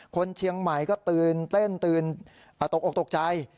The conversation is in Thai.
คนเชียงใหม่ก็ตื่นเต้นตื่นตกออกตกใจ